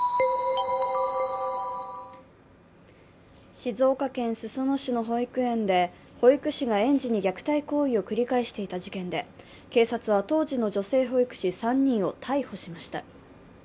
静岡県裾野市の保育園で保育士が園児に虐待行為を繰り返していた事件で、警察は当時の女性保育士３人を逮捕しました。